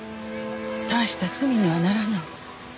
大した罪にはならない。